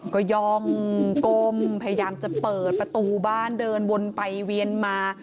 ก็ย่องก้มพยายามจะเปิดประตูบ้านเดินวนไปเวียนมา